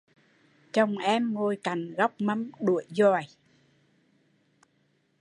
Chồng em ngồi cạnh góc mâm đuổi dòi